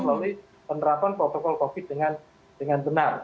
melalui penerapan protokol covid dengan benar